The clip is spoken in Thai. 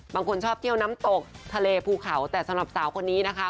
บางคนชอบเที่ยวน้ำตกทะเลภูเขาแต่สำหรับสาวคนนี้นะคะ